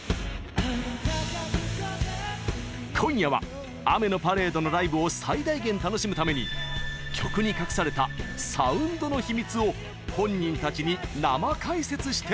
今夜は雨のパレードのライブを最大限楽しむために曲に隠されたサウンドの秘密を本人たちに生解説してもらいます。